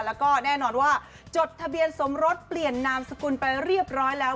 แล้วก็แน่นอนว่าจดทะเบียนสมรสเปลี่ยนนามสกุลไปเรียบร้อยแล้ว